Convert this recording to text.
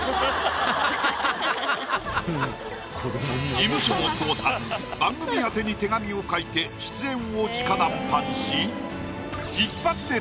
事務所も通さず番組宛てに手紙を書いて出演を直談判し。